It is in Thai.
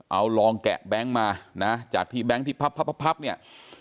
เอาลองแกะแบงค์มานะจากที่แบงค์ที่พับเนี่ย